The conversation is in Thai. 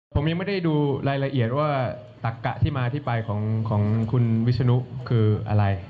ผมยังไม่ได้ดูรายละเอียดว่าตักกะที่มาที่ไปของคุณวิศนุคืออะไร